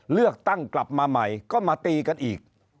เลือกตั้งกลับมาใหม่ก็มาตีกันอีก